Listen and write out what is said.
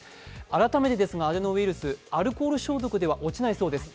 改めてですが、アデノウイルスアルコール消毒では落ちないそうです。